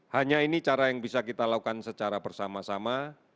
hanya ini cara yang bisa kita lakukan secara bersama sama